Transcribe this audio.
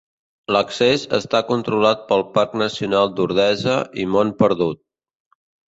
L'accés està controlat pel Parc Nacional d'Ordesa i Mont Perdut.